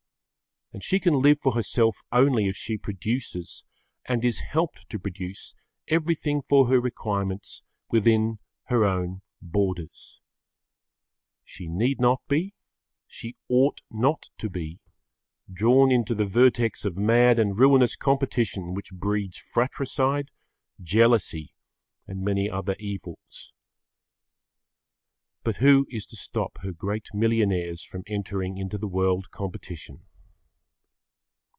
And she can live for herself only if she produces and is helped to produce everything[Pg 16] for her requirements within her own borders. She need not be, she ought not to be, drawn into the vertex of mad and ruinous competition which breeds fratricide, jealousy and many other evils. But who is to stop her great millionaires from entering into the world competition?